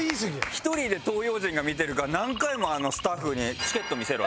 １人で東洋人が見てるから何回もスタッフに「チケット見せろ！」